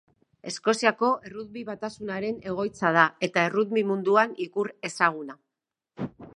Eskoziako Errugbi Batasunaren egoitza da eta errugbi munduan ikur ezaguna.